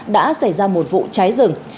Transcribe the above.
đã xảy ra một vụ cháy rừng